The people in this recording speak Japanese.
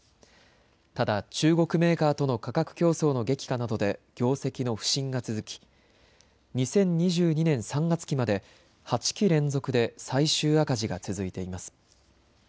ただ中国メーカーとの価格競争の激化などで業績の不振が続き、２０２２年３月期まで８期連続で最終赤字が続いています。